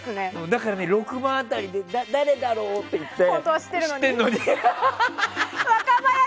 だから６番辺りで誰だろうって言って。